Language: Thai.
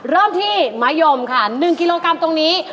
เริ่มที่มะยมค่ะ๑กิโลกรัมตรงนี้